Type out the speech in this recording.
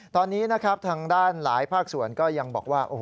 ตอนนี้นะครับทางด้านหลายภาคส่วนก็ยังบอกว่า